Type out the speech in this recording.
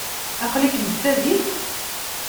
Aql-ikem s tadist?